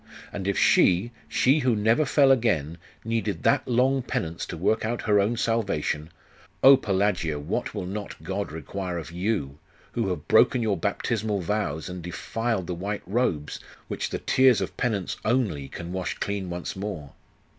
And if she, she who never fell again, needed that long penance to work out her own salvation oh, Pelagia, what will not God require of you, who have broken your baptismal vows, and defiled the white robes, which the tears of penance only can wash clean once more?